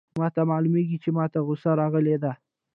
ما ته معلومیږي چي ما ته غوسه راغلې ده.